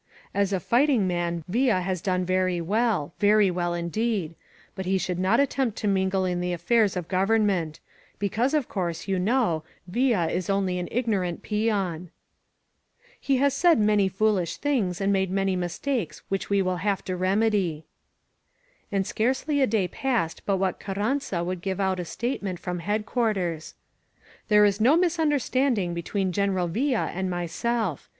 "As a fighting man Villa has done very well — ^very well, indeed. But he should not attempt to mingle in the affairs of Government; because, of course, you know, Villa is only an ignorant peon." ^^He has said many foolish things and made many mistakes which we will have to remedy." And scarcely a day passed but what Carranza would give out a statement from headquarters : "There is no misunderstanding between General Villa and myself.